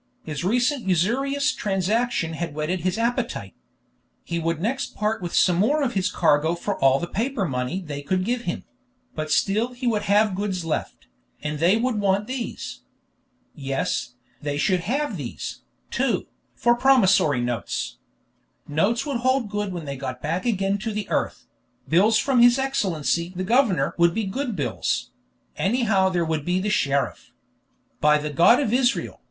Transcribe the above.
His recent usurious transaction had whetted his appetite. He would next part with some more of his cargo for all the paper money they could give him; but still he should have goods left, and they would want these. Yes, they should have these, too, for promissory notes. Notes would hold good when they got back again to the earth; bills from his Excellency the governor would be good bills; anyhow there would be the sheriff. By the God of Israel!